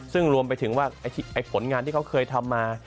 ซึ่งรวมไปถึงว่าผลงานที่เขาเคยทำมา